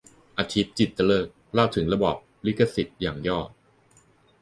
อธิป จิตตฤกษ์ เล่าถึงระบอบลิขสิทธิ์อย่างย่อ